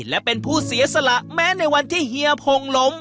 และเป็นผู้เสียสละแม้ในวันที่เฮียพงล้ม